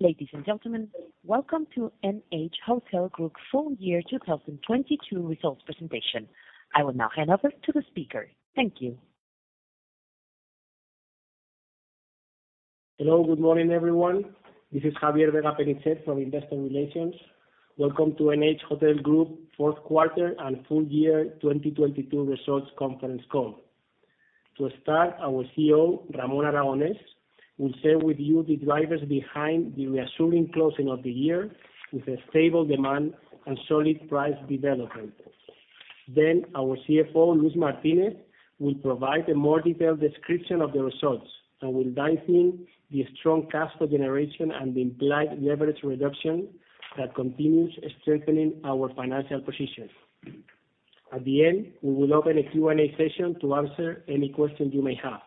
Ladies and gentlemen, welcome to NH Hotel Group full year 2022 results presentation. I will now hand over to the speaker. Thank you. Hello. Good morning, everyone. This is Javier Vega-Penichet from Investor Relations. Welcome to NH Hotel Group fourth quarter and full year 2022 results conference call. Our CEO, Ramón Aragonés, will share with you the drivers behind the reassuring closing of the year with a stable demand and solid price development. Our CFO, Luis Martinez Jurado, will provide a more detailed description of the results and will dive in the strong cash flow generation and the implied leverage reduction that continues strengthening our financial position. At the end, we will open a Q&A session to answer any questions you may have.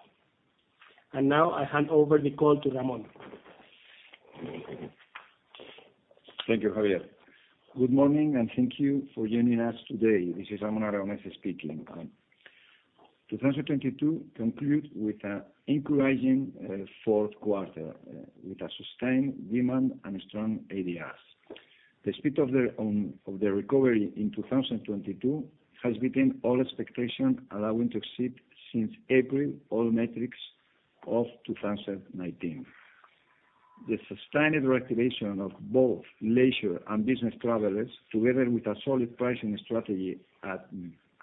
Now I hand over the call to Ramón. Thank you, Javier. Good morning, thank you for joining us today. This is Ramón Aragonés speaking. Um. 2022 conclude with a encouraging fourth quarter, with a sustained demand and strong ADRs. The speed of the of the recovery in 2022 has beaten all expectation, allowing to exceed since April all metrics of 2019. The sustained reactivation of both leisure and business travelers, together with a solid pricing strategy at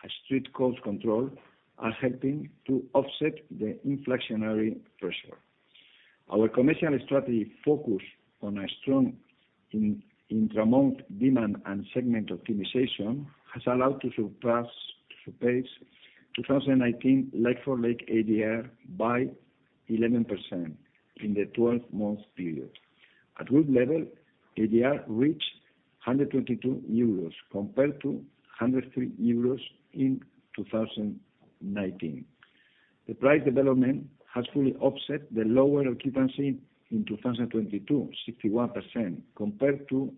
a strict cost control, are helping to offset the inflationary pressure. Our commercial strategy focus on a strong intra-month demand and segment optimization has allowed to surpass, to pace 2019 like-for-like ADR by 11% in the 12-month period. At group level, ADR reached 122 euros compared to 103 euros in 2019. The price development has fully offset the lower occupancy in 2022, 61% compared to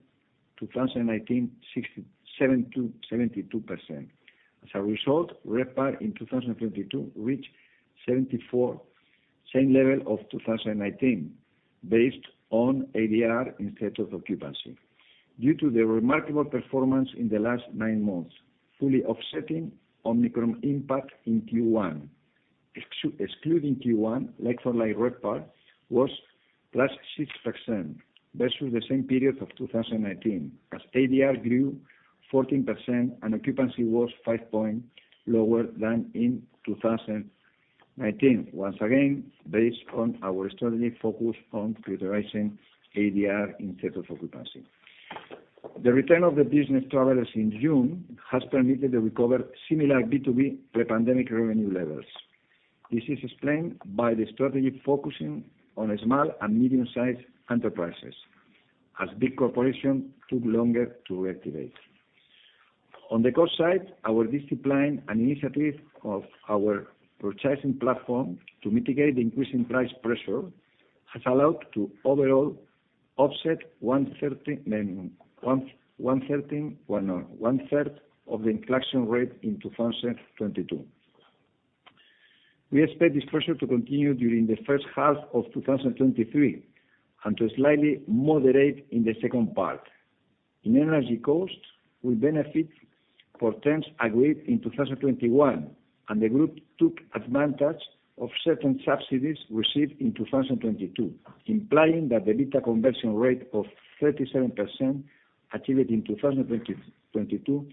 2019, 67%-72%. RevPAR in 2022 reached 74, same level of 2019 based on ADR instead of occupancy. Due to the remarkable performance in the last nine months, fully offsetting Omicron impact in Q1. Excluding Q1, like-for-like RevPAR was +6% versus the same period of 2019 as ADR grew 14% and occupancy was five points lower than in 2019. Once again, based on our strategy focus on prioritizing ADR instead of occupancy. The return of the business travelers in June has permitted the recover similar B2B pre-pandemic revenue levels. This is explained by the strategy focusing on small and medium-sized enterprises as big corporations took longer to reactivate. On the cost side, our discipline and initiative of our purchasing platform to mitigate the increasing price pressure has allowed to overall offset one-third of the inflation rate in 2022. We expect this pressure to continue during the first half of 2023 and to slightly moderate in the second part. In energy costs, we benefit from terms agreed in 2021, and the group took advantage of certain subsidies received in 2022, implying that the EBITDA conversion rate of 37% achieved in 2022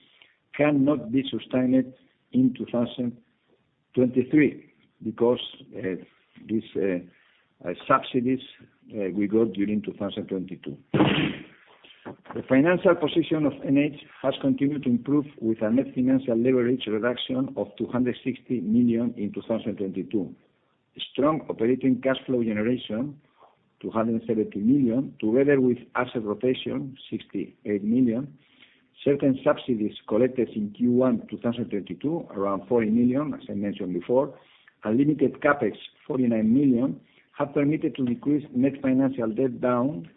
cannot be sustained in 2023 because these subsidies we got during 2022. The financial position of NH has continued to improve with a net financial leverage reduction of 260 million in 2022. The strong operating cash flow generation, 270 million, together with asset rotation, 68 million, certain subsidies collected in Q1 2022, around 40 million, as I mentioned before, a limited CapEx, 49 million, have permitted to decrease net financial debt down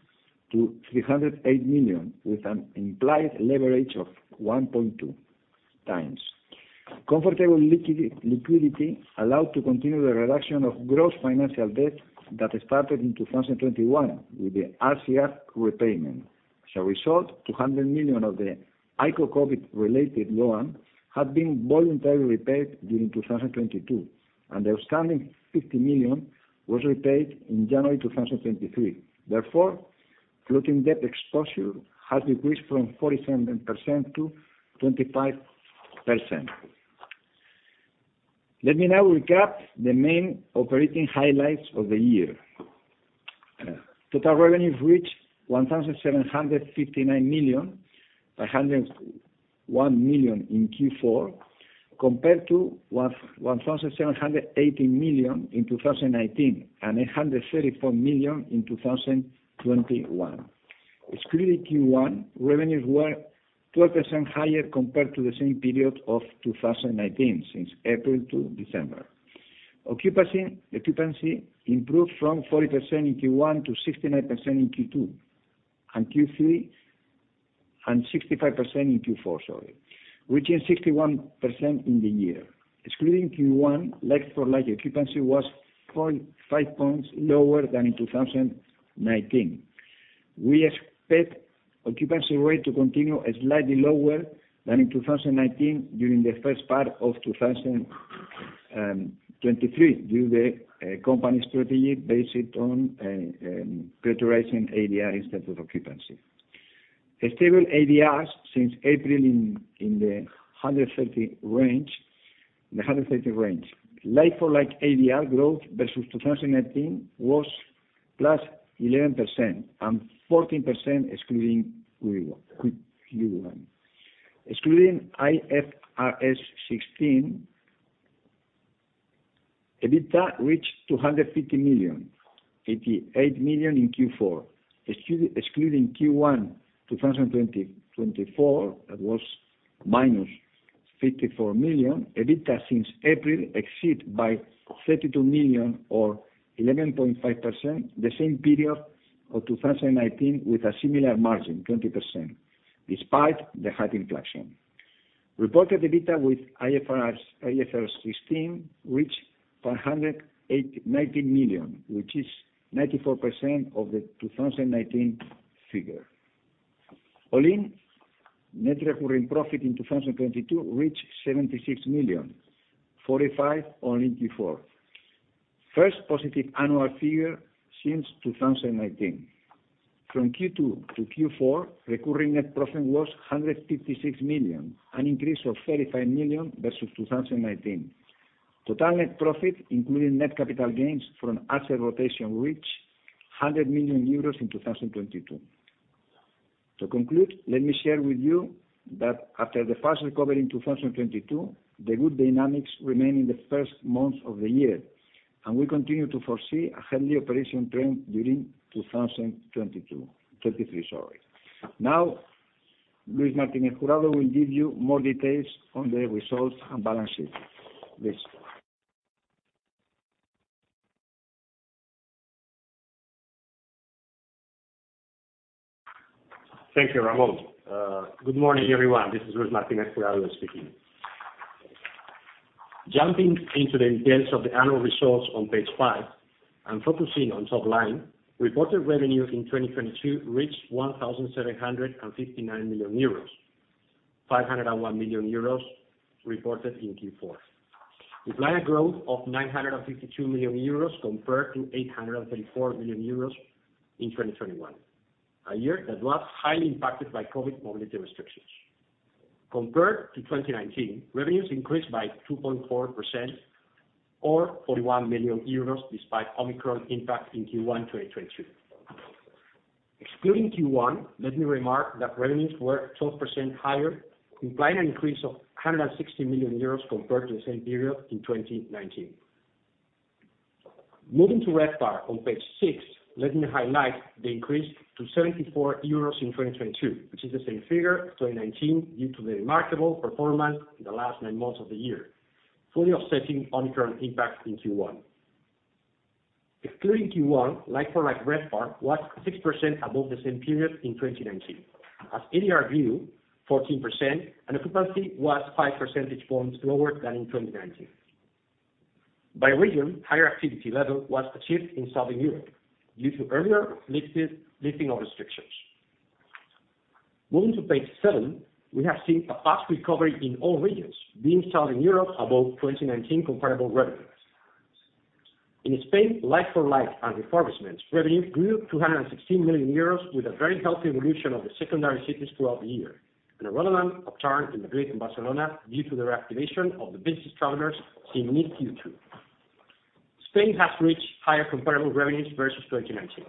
to 308 million with an implied leverage of 1.2 times. Comfortable liquidity allowed to continue the reduction of gross financial debt that started in 2021 with the RCF repayment. As a result, 200 million of the ICO COVID-related loan had been voluntarily repaid during 2022, and the outstanding 50 million was repaid in January 2023. Floating debt exposure has decreased from 47%-25%. Let me now recap the main operating highlights of the year. Total revenues reached 1,759 million, 101 million in Q4, compared to 1,780 million in 2019 and 834 million in 2021. Excluding Q1, revenues were 12% higher compared to the same period of 2019, since April to December. Occupancy improved from 40% in Q1 to 69% in Q2, Q3 saw 65% in Q4, reaching 61% in the year. Excluding Q1, like-for-like occupancy was 0.5 points lower than in 2019. We expect occupancy rate to continue slightly lower than in 2019 during the first part of 2023 due the company strategy based on prioritizing ADR instead of occupancy. A stable ADR since April in the 130 range, the 130 range. Like-for-like ADR growth versus 2019 was +11% and 14% excluding Q1. Excluding IFRS 16, EBITDA reached 250 million, 88 million in Q4. Excluding Q1 2024, that was -54 million. EBITDA since April exceed by 32 million or 11.5% the same period of 2019 with a similar margin, 20%, despite the high inflation. Reported EBITDA with IFRS 16 reached 490 million, which is 94% of the 2019 figure. All in net recurring profit in 2022 reached 76 million, 45 all in Q4. First positive annual figure since 2019. From Q2 to Q4, recurring net profit was 156 million, an increase of 35 million versus 2019. Total net profit, including net capital gains from asset rotation, reached 100 million euros in 2022. To conclude, let me share with you that after the fast recovery in 2022, the good dynamics remain in the first months of the year, and we continue to foresee a healthy operation trend during 2022, 2023, sorry. Now, Luis Martinez Jurado will give you more details on the results and balances. Luis. Thank you, Ramón. Good morning, everyone. This is Luis Martinez Jurado speaking. Jumping into the details of the annual results on page five and focusing on top line, reported revenue in 2022 reached 1,759 million euros, 501 million euros reported in Q4. Implied growth of 952 million euros compared to 834 million euros in 2021, a year that was highly impacted by COVID mobility restrictions. Compared to 2019, revenues increased by 2.4% or 41 million euros despite Omicron impact in Q1 2022. Excluding Q1, let me remark that revenues were 12% higher, implying an increase of 160 million euros compared to the same period in 2019. Moving to RevPAR on page six, let me highlight the increase to 74 euros in 2022, which is the same figure as 2019 due to the remarkable performance in the last nine months of the year, fully offsetting Omicron impact in Q1. Excluding Q1, like-for-like RevPAR was 6% above the same period in 2019. ADR grew 14% and occupancy was five percentage points lower than in 2019. By region, higher activity level was achieved in Southern Europe due to earlier lifting of restrictions. Moving to page seven, we have seen a fast recovery in all regions, being Southern Europe above 2019 comparable revenues. In Spain, like-for-like and refurbished revenue grew to 116 million euros with a very healthy evolution of the secondary cities throughout the year and a relevant upturn in Madrid and Barcelona due to the reactivation of the business travelers seen mid Q2. Spain has reached higher comparable revenues versus 2019.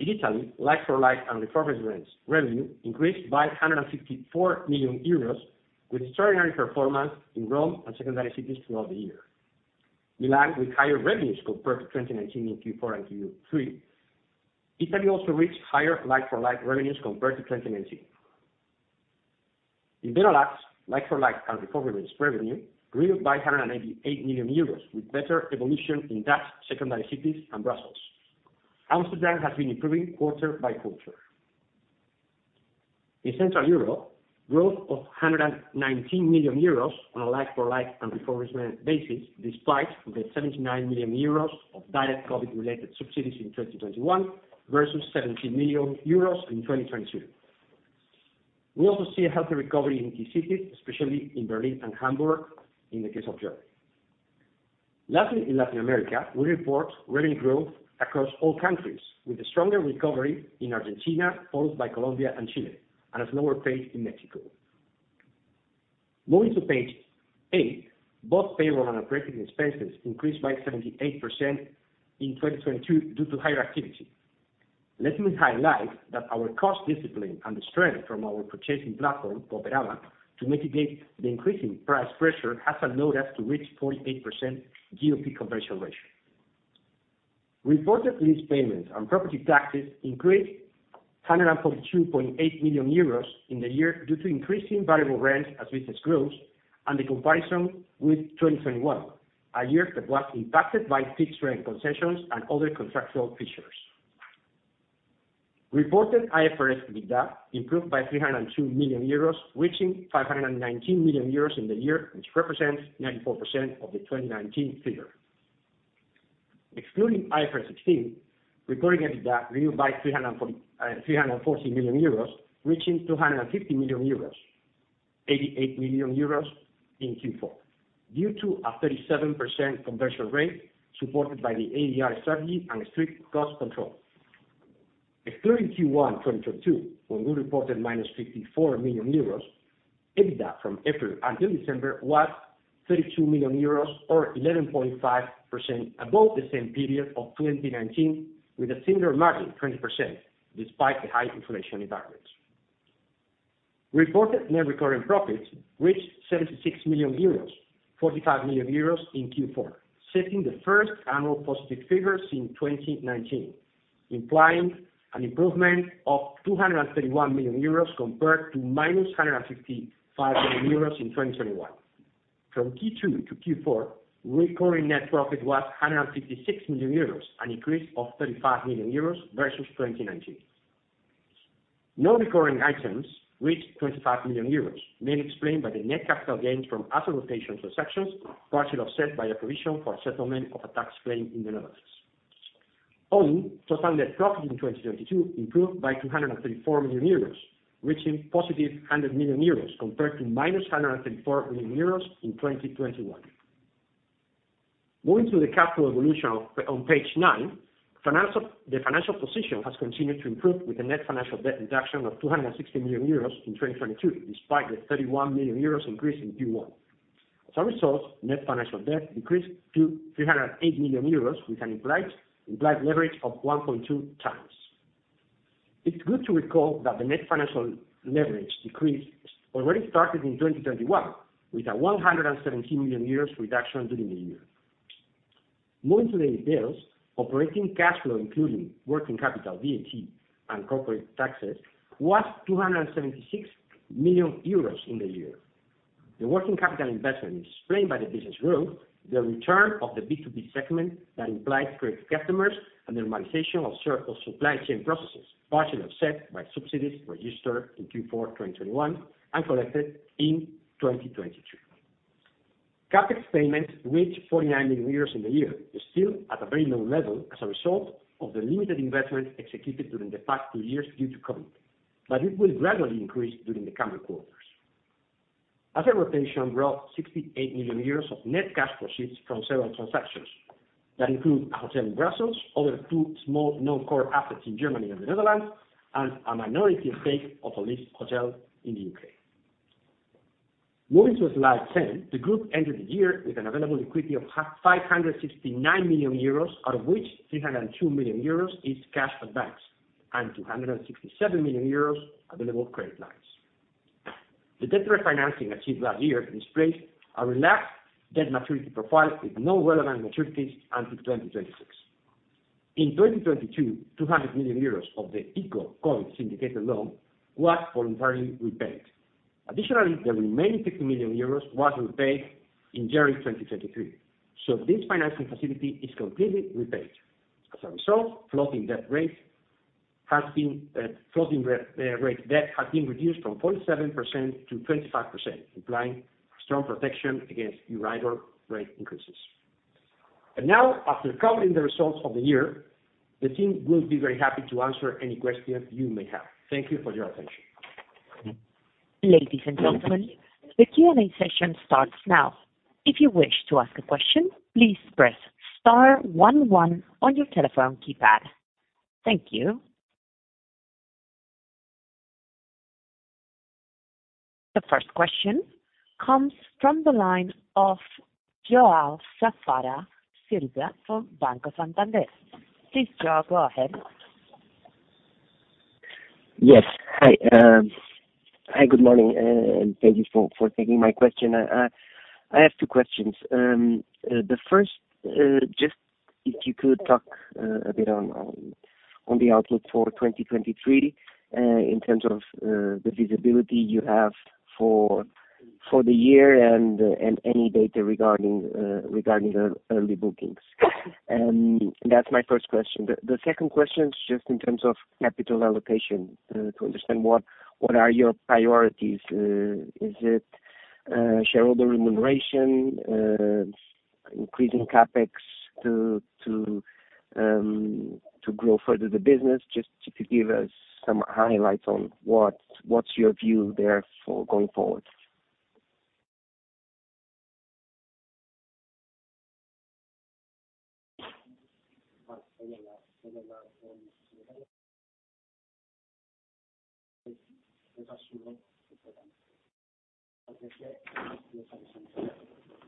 In Italy, like-for-like and refurbished revenue increased by 164 million euros with extraordinary performance in Rome and secondary cities throughout the year. Milan with higher revenues compared to 2019 in Q4 and Q3. Italy also reached higher like-for-like revenues compared to 2019. In Benelux, like-for-like and refurbished revenue grew by 188 million euros with better evolution in Dutch secondary cities and Brussels. Amsterdam has been improving quarter by quarter. In Central Europe, growth of 119 million euros on a like-for-like and refurbishment basis, despite the 79 million euros of direct COVID-related subsidies in 2021 versus 17 million euros in 2022. We also see a healthy recovery in key cities, especially in Berlin and Hamburg in the case of Germany. Lastly, in Latin America, we report revenue growth across all countries with a stronger recovery in Argentina, followed by Colombia and Chile, and a slower pace in Mexico. Moving to page eight, both payroll and operating expenses increased by 78% in 2022 due to higher activity. Let me highlight that our cost discipline and the strength from our purchasing platform, Coperama, to mitigate the increasing price pressure has allowed us to reach 48% GOP conversion ratio. Reported lease payments and property taxes increased 142.8 million euros in the year due to increasing variable rents as business grows and the comparison with 2021. A year that was impacted by fixed rent concessions and other contractual features. Reported IFRS EBITDA improved by 302 million euros, reaching 519 million euros in the year, which represents 94% of the 2019 figure. Excluding IFRS 16, reported EBITDA grew by 340 million euros, reaching 250 million euros, 88 million euros in Q4, due to a 37% conversion rate supported by the ADR strategy and strict cost control. Excluding Q1 2022, when we reported -54 million euros, EBITDA from April until December was 32 million euros or 11.5% above the same period of 2019, with a similar margin, 20%, despite the high inflationary environment. Reported net recurring profits reached 76 million euros, 45 million euros in Q4, setting the first annual positive figures in 2019, implying an improvement of 231 million euros compared to -155 million euros in 2021. From Q2 to Q4, recurring net profit was 156 million euros, an increase of 35 million euros versus 2019. Non-recurring items reached 25 million euros, mainly explained by the net capital gains from asset rotations or cessions, partially offset by a provision for a settlement of a tax claim in the Netherlands. Owning to standard profit in 2022 improved by 234 million euros, reaching +100 million euros compared to -134 million euros in 2021. Moving to the capital evolution on page nine, the financial position has continued to improve with a net financial debt reduction of 260 million euros in 2022, despite the 31 million euros increase in Q1. As a result, net financial debt decreased to 308 million euros, with an implied leverage of 1.2 times. It's good to recall that the net financial leverage decrease already started in 2021, with a 117 million reduction during the year. Moving to the details, operating cash flow, including working capital, VAT, and corporate taxes, was 276 million euros in the year. The working capital investment is explained by the business growth, the return of the B2B segment that implies credit customers, and the normalization of supply chain processes, partially offset by subsidies registered in Q4 2021 and collected in 2022. CapEx payments reached 49 million euros in the year, but still at a very low level as a result of the limited investment executed during the past two years due to COVID. It will gradually increase during the coming quarters. Asset rotation brought 68 million euros of net cash proceeds from several transactions that include a hotel in Brussels, other two small non-core assets in Germany and the Netherlands, and a minority stake of a leased hotel in the U.K. Moving to slide 10, the group entered the year with an available liquidity of 569 million euros, out of which 302 million euros is cash on banks and 267 million euros available credit lines. The debt refinancing achieved last year displayed a relaxed debt maturity profile with no relevant maturities until 2026. In 2022, 200 million euros of the sustainability-linked syndicated loan was voluntarily repaid. Additionally, the remaining 50 million euros was repaid in January 2023. This financing facility is completely repaid. As a result, floating rate debt has been reduced from 0.7%-25%, implying strong protection against Euribor rate increases. Now, after covering the results of the year, the team will be very happy to answer any questions you may have. Thank you for your attention. Ladies and gentlemen, the Q&A session starts now. If you wish to ask a question, please press star one one on your telephone keypad. Thank you. The first question comes from the line of João Saraiva e Silva from Banco Santander. Please, João, go ahead. Yes. Hi. Hi, good morning and thank you for taking my question. I have two questions. The first, just if you could talk a bit on the outlook for 2023, in terms of the visibility you have for the year and any data regarding the early bookings. That's my first question. The second question is just in terms of capital allocation, to understand what are your priorities. Is it shareholder remuneration, increasing CapEx to grow further the business? Just if you could give us some highlights on what's your view there for going forward.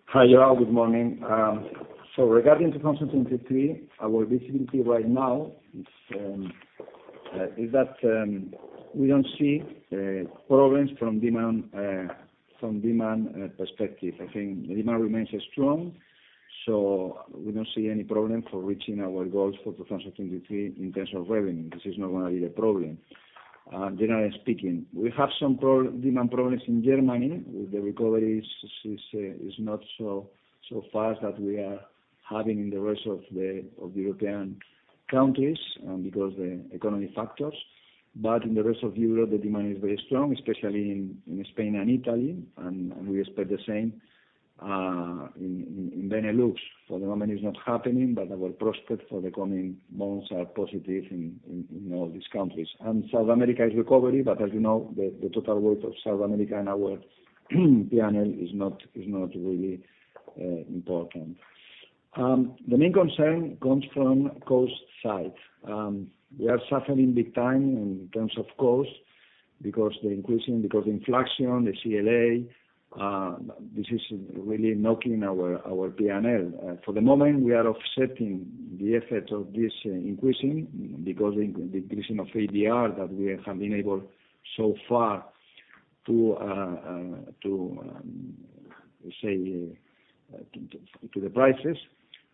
Hi, João. Good morning. Regarding to constant 2023, our visibility right now is that we don't see problems from demand perspective. I think demand remains strong, we don't see any problem for reaching our goals for 2023 in terms of revenue. This is not gonna be a problem. Generally speaking, we have some demand problems in Germany. The recovery is not so fast that we are having in the rest of the European countries because the economy factors. In the rest of Europe, the demand is very strong, especially in Spain and Italy. We expect the same in Benelux. For the moment, it's not happening, but our prospects for the coming months are positive in all these countries. South America is recovering, but as you know, the total worth of South America in our PNL is not really important. The main concern comes from cost side. We are suffering big time in terms of cost because the increasing, because inflation, the CLA, this is really knocking our PNL. For the moment, we are offsetting the effect of this increasing because the increasing of ADR that we have been able so far to the prices.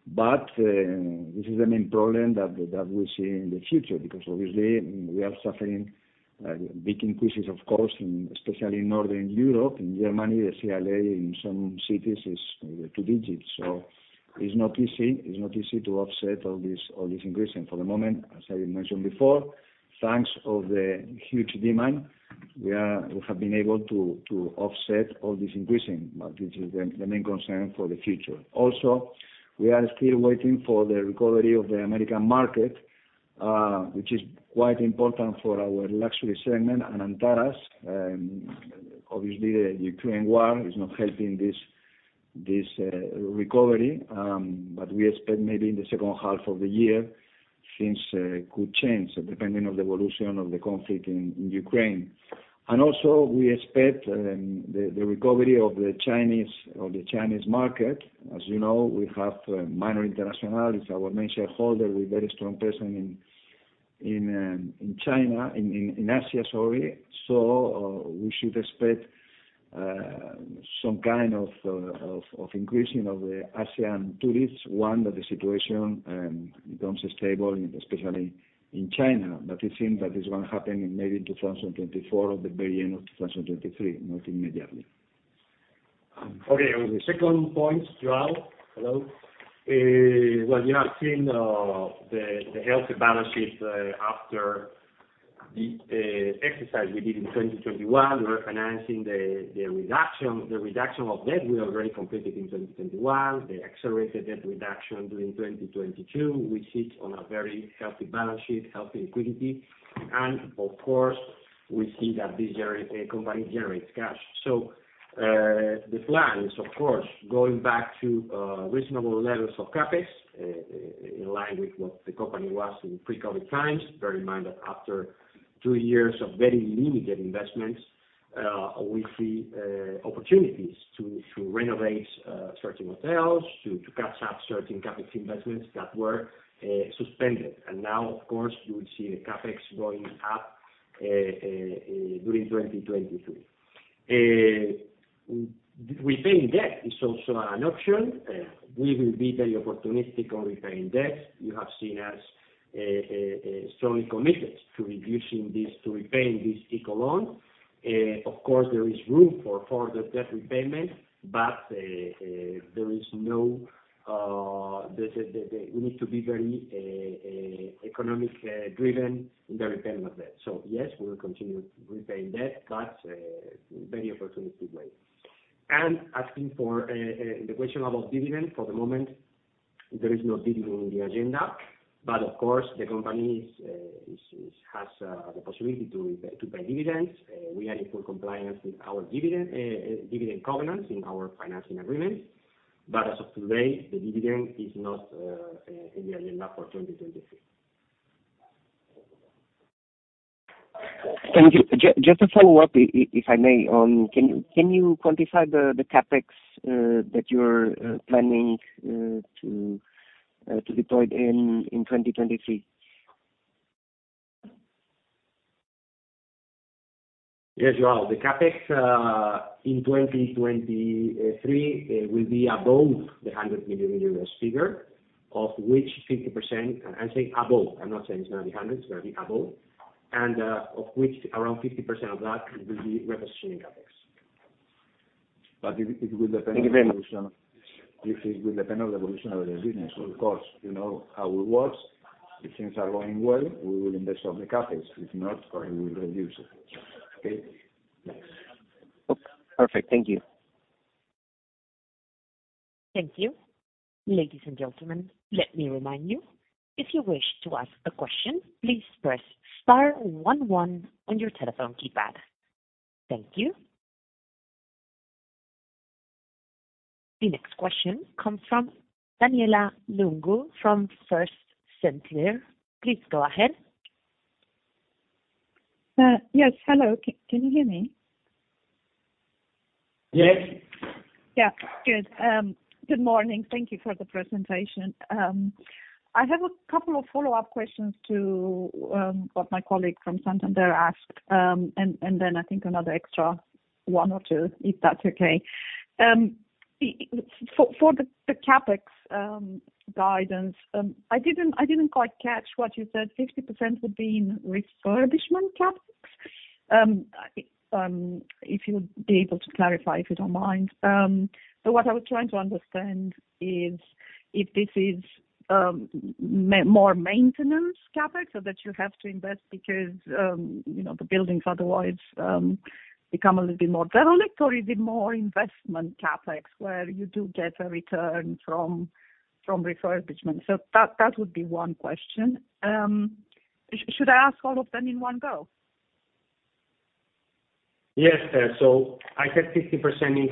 This is the main problem that we see in the future because obviously we are suffering big increases of costs, and especially in Northern Europe. In Germany, the CLA in some cities is two digits. It's not easy. It's not easy to offset all this increasing. For the moment, as I mentioned before, thanks of the huge demand, we have been able to offset all this increasing, but this is the main concern for the future. Also, we are still waiting for the recovery of the American market, which is quite important for our luxury segment and Anantara. Obviously, the Ukraine war is not helping this recovery. We expect maybe in the second half of the year, things could change depending on the evolution of the conflict in Ukraine. We expect the recovery of the Chinese market. As you know, we have Minor International is our main shareholder with very strong presence in China, in Asia, sorry. We should expect some kind of increasing of the Asian tourists once that the situation becomes stable, especially in China. It seems that this won't happen in maybe in 2024 or the very end of 2023, not immediately. Okay. On the second point, João. Hello. Well, you have seen the healthy balance sheet after the exercise we did in 2021. We're financing the reduction of debt we have already completed in 2021, the accelerated debt reduction during 2022. We sit on a very healthy balance sheet, healthy liquidity. Of course, we see that this company generates cash. The plan is of course, going back to reasonable levels of CapEx in line with what the company was in pre-COVID times. Bear in mind that after two years of very limited investments, we see opportunities to renovate certain hotels, to catch up certain CapEx investments that were suspended. Now, of course, you will see the CapEx going up during 2023. Repaying debt is also an option. We will be very opportunistic on repaying debt. You have seen us strongly committed to reducing this, to repaying this ICO loan. Of course, there is room for further debt repayment, but there is no, the, the. We need to be very economic driven in the repayment of debt. So yes, we will continue to repay debt, but in very opportunistic way. Asking for the question about dividend, for the moment, there is no dividend in the agenda, but of course, the company is, has the possibility to pay dividends. We are in full compliance with our dividend dividend covenants in our financing agreement. As of today, the dividend is not in the agenda for 2023. Thank you. Just a follow-up, if I may. Can you, can you quantify the CapEx that you're planning to deploy in 2023? Yes, João. The CapEx in 2023 will be above the 100 million figure, of which 50%. I'm saying above. I'm not saying it's gonna be 100 million, it's gonna be above. Of which around 50% of that will be repositioning CapEx. It will depend on the evolution. Thank you very much. It will depend on the evolution of the business. Of course, you know how it works. If things are going well, we will invest on the CapEx. If not, probably we'll reduce it. Okay? Thanks. Okay. Perfect. Thank you. Thank you. Ladies and gentlemen, let me remind you, if you wish to ask a question, please press star 1 1 on your telephone keypad. Thank you. The next question comes from Daniela Lungu from First Sentier. Please go ahead. Yes, hello. Can you hear me? Yes. Yeah. Good. Good morning. Thank you for the presentation. I have a couple of follow-up questions to what my colleague from Banco Santander asked, then I think another extra one or two, if that's okay. For the CapEx guidance, I didn't quite catch what you said 50% would be in refurbishment CapEx. If you would be able to clarify, if you don't mind. What I was trying to understand is if this is more maintenance CapEx so that you have to invest because, you know, the buildings otherwise become a little bit more derelict, or is it more investment CapEx where you do get a return from refurbishment. That would be one question. Should I ask all of them in one go? Yes. I said 50% is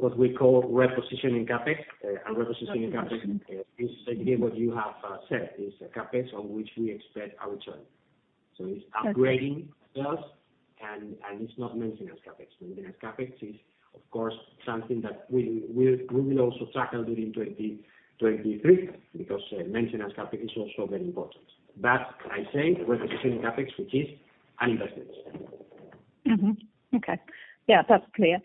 what we call repositioning CapEx. Repositioning CapEx is again what you have said, is CapEx on which we expect a return. Okay. It's upgrading us and it's not maintenance CapEx. Maintenance CapEx is, of course, something that we will also tackle during 2023 because maintenance CapEx is also very important. I say repositioning CapEx, which is an investment. Okay. Yeah, that's clear.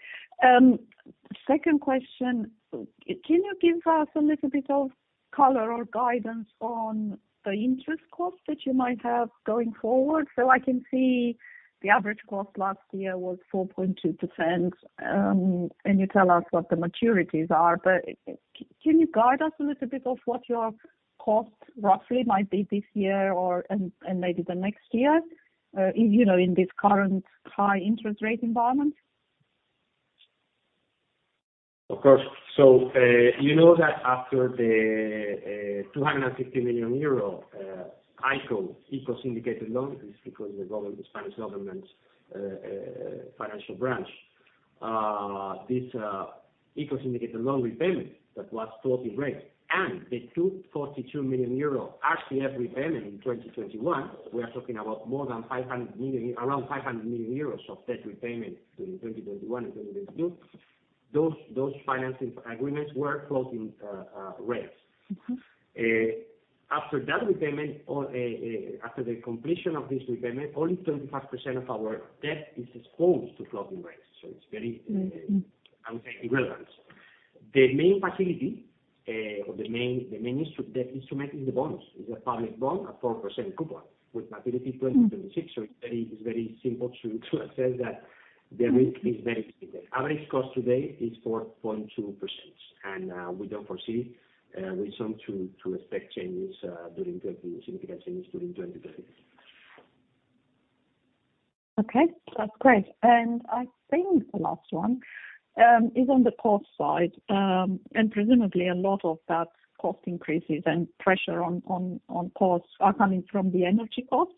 Second question. Can you give us a little bit of color or guidance on the interest cost that you might have going forward? I can see the average cost last year was 4.2%, and you tell us what the maturities are. Can you guide us a little bit of what your cost roughly might be this year or maybe the next year, you know, in this current high interest rate environment? Of course. You know that after the 250 million euro ICO syndicated loan, this is because the government, the Spanish government, financial branch, this ICO syndicated loan repayment that was floating rate and the 242 million euro RCF repayment in 2021, we are talking about more than 500 million, around 500 million euros of debt repayment during 2021 and 2022. Those financing agreements were floating rates. Mm-hmm. After that repayment or, after the completion of this repayment, only 35% of our debt is exposed to floating rates. Mm-hmm. I would say irrelevant. The main facility, or the main instrument is the bonds. It's a public bond at 4% coupon with maturity 2026. It's very simple to assess that the risk is very limited. Average cost today is 4.2%. We don't foresee a reason to expect changes, significant changes during 2023. Okay, that's great. I think the last one, is on the cost side. Presumably a lot of that cost increases and pressure on costs are coming from the energy costs.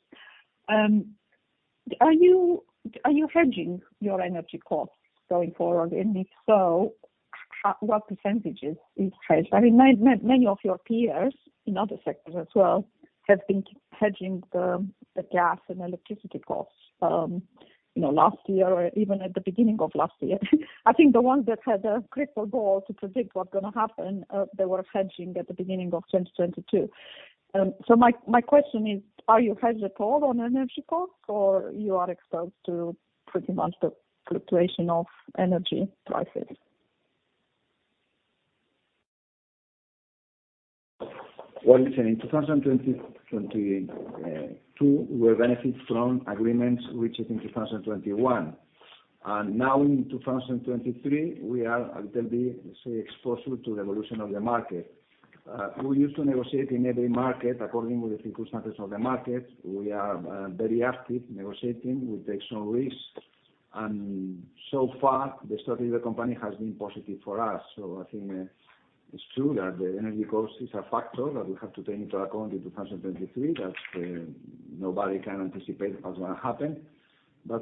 Are you hedging your energy costs going forward? If so, how what percentages is hedged? I mean, many of your peers in other sectors as well have been hedging the gas and electricity costs, you know, last year or even at the beginning of last year. I think the ones that had a crystal ball to predict what's gonna happen, they were hedging at the beginning of 2022. My, my question is, are you hedged at all on energy costs or you are exposed to pretty much the fluctuation of energy prices? Well, listen, in 2022, we benefit from agreements reached in 2021. Now in 2023, we are a little bit, say, exposed to the evolution of the market. We used to negotiate in every market according with the circumstances of the market. We are very active negotiating. We take some risks. So far the strategy of the company has been positive for us. I think it's true that the energy cost is a factor that we have to take into account in 2023, that nobody can anticipate what's gonna happen.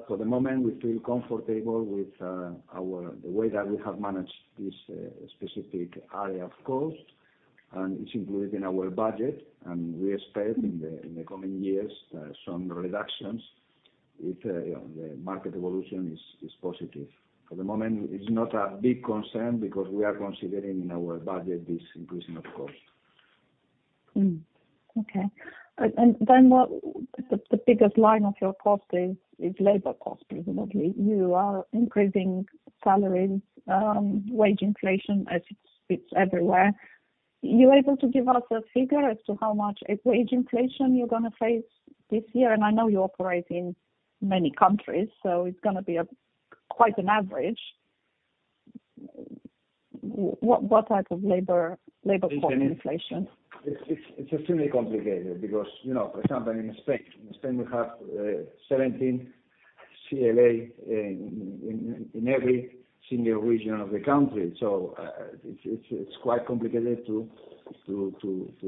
For the moment, we feel comfortable with the way that we have managed this specific area of cost. It's included in our budget. We expect in the coming years, some reductions if the market evolution is positive. For the moment, it's not a big concern because we are considering in our budget this increasing of cost. Okay. Then the biggest line of your cost is labor cost, presumably. You are increasing salaries, wage inflation as it's everywhere. You able to give us a figure as to how much a wage inflation you're gonna face this year? I know you operate in many countries, so it's gonna be a quite an average. What type of labor cost inflation? It's extremely complicated because, you know, for example, in Spain, in Spain we have 17 CLA in every single region of the country. It's quite complicated to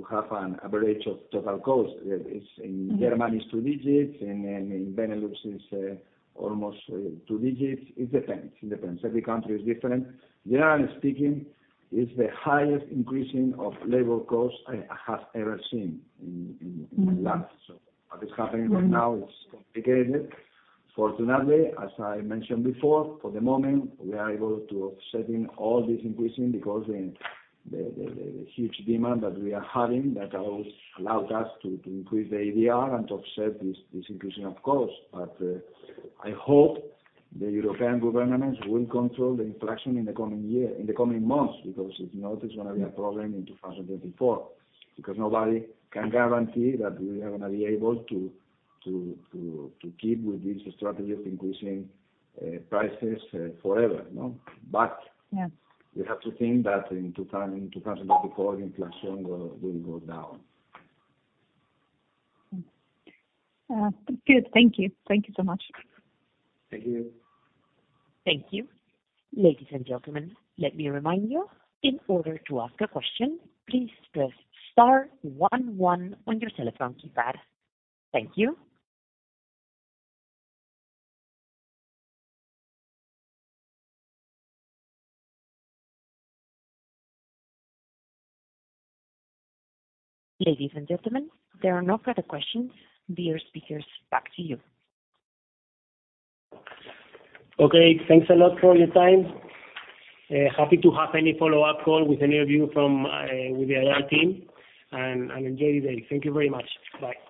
have an average of total cost. Mm-hmm. In Germany is two digits, in Benelux is almost two digits. It depends. It depends. Every country is different. Generally speaking, it's the highest increasing of labor cost I have ever seen. Mm-hmm. in my life. What is happening right now is complicated. Fortunately, as I mentioned before, for the moment, we are able to offsetting all this increasing because the huge demand that we are having that allowed us to increase the ADR and to offset this increasing of cost. I hope the European governments will control the inflation in the coming year, in the coming months, if not, it's gonna be a problem in 2024. Nobody can guarantee that we are gonna be able to keep with this strategy of increasing prices forever, you know? Yes. We have to think that in 2024 the inflation will go down. Good. Thank you. Thank you so much. Thank you. Thank you. Ladies and gentlemen, let me remind you, in order to ask a question, please press star one one on your telephone keypad. Thank you. Ladies and gentlemen, there are no further questions. Dear speakers, back to you. Okay. Thanks a lot for your time. Happy to have any follow-up call with any of you from, with the IR team. Enjoy your day. Thank you very much. Bye.